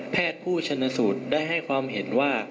ผู้ชนสูตรได้ให้ความเห็นว่า